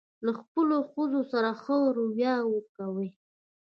له خپلو ښځو سره ښه راویه وکوئ.